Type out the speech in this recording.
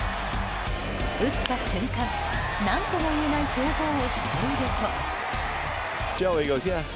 打った瞬間、何とも言えない表情をしていると。